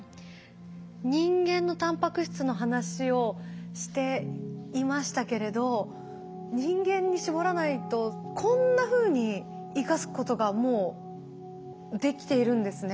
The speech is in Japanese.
人間のタンパク質の話をしていましたけれど人間に絞らないとこんなふうに生かすことがもうできているんですね。